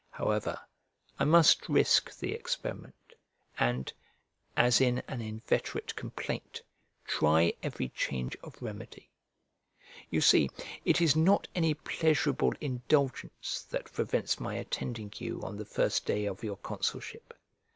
However, I must risk the experiment, and, as in an inveterate complaint, try every change of remedy. You see, it is not any pleasurable indulgence that prevents my attending you on the first day of your consulship.